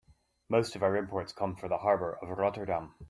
Most of our imports come from the harbor of Rotterdam.